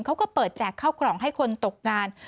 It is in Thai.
เขาก็เปิดแจกเข้ากล่องให้คนตกงาน